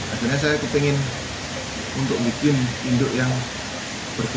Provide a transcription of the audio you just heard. akhirnya saya ingin untuk membuat induk yang berpengaruh